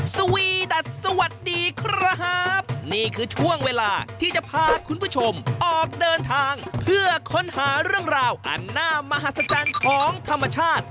สวีดัทสวัสดีครับนี่คือช่วงเวลาที่จะพาคุณผู้ชมออกเดินทางเพื่อค้นหาเรื่องราวอันหน้ามหัศจรรย์ของธรรมชาติ